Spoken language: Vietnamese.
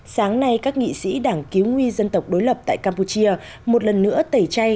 sáng nay các nghị sĩ đảng cứu nguy dân tộc đối lập tại campuchia một lần nữa tẩy chay